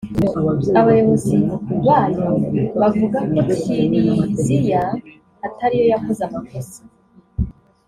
abayobozi bayo bavuga ko Kiliziya atari yo yakoze amakosa